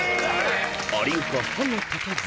［有岡歯が立たず］